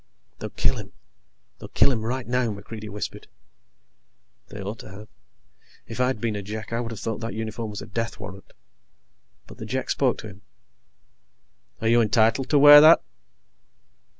"They'll kill him. They'll kill him right now," MacReidie whispered. They ought to have. If I'd been a Jek, I would have thought that uniform was a death warrant. But the Jek spoke to him: "Are you entitled to wear that?"